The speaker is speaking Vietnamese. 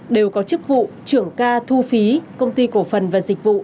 đều có chức vụ trưởng ca thu phí công ty cổ phần và dịch vụ